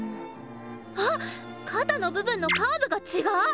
あっ肩の部分のカーブが違う！